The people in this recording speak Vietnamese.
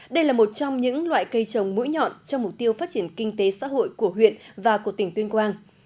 đây là một trong những loại cây trồng mũi nhọn cho mục tiêu phát triển kinh tế xã hội của huyện và của tỉnh tuyên quang